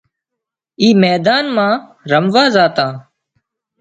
اي ميدان مان رموا زاتان